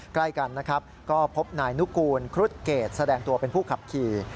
ใกล้กันนะครับก็พบนายนุกูลครุฑเกรดแสดงตัวเป็นผู้ขับขี่